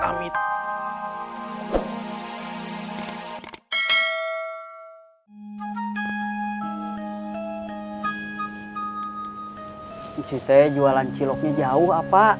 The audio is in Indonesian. nanti deh jualan ciloknya jauh apa